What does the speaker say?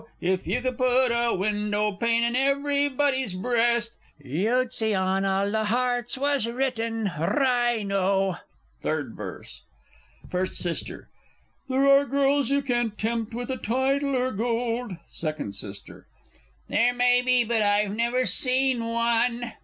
If you could put a window pane in everybody's breast You'd see on all the hearts was written "Rhino!" Third Verse. First S. There are girls you can't tempt with a title or gold. Second S. There may be but I've never seen one.